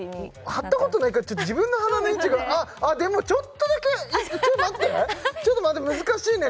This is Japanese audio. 貼ったことないからちょっと自分の鼻の位置があっでもちょっとだけちょっと待ってちょっと待って難しいね